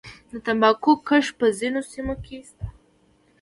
د تنباکو کښت په ځینو سیمو کې شته